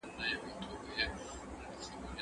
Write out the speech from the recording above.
زه پرون انځورونه رسم کړل،